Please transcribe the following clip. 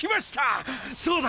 そうだ！